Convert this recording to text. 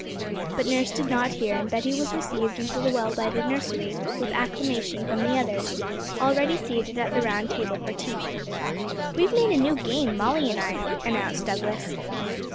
But nurse did not hear, and Betty was received into the well lighted nursery with acclamation from the others, already seated at the round table for tea. 'We've made a new game, Molly and I,' announced Douglas.